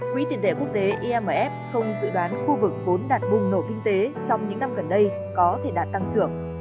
quỹ tiền tệ quốc tế imf không dự đoán khu vực vốn đạt bùng nổ kinh tế trong những năm gần đây có thể đạt tăng trưởng